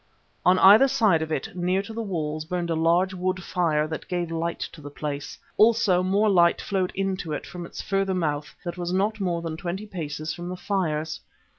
On either side of it, near to the walls, burned a large wood fire that gave light to the place. Also more light flowed into it from its further mouth that was not more than twenty paces from the fires.